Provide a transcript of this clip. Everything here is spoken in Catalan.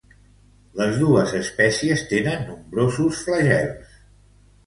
Les dos espècies tenen nombrosos flagels.